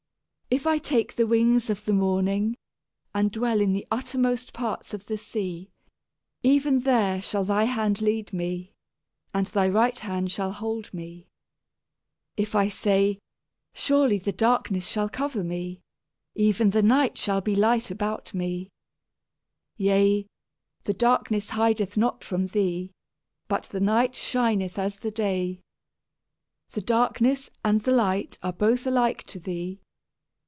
If I take the wings of the morning, and dwell in the uttermost parts of the sea; Even there shall thy hand lead me, and thy right hand shall hold me. If I say, Surely the darkness shall overwhelm me, and the light about me shall be night; Even the darkness hideth not from thee. But the night shineth as the day : The darkness and the light are both alike to thee.